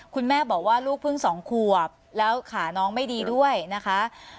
คุณแม่บอกว่าลูกเพิ่ง๒ขวบแล้วขาน้องไม่ดีด้วยนะคะ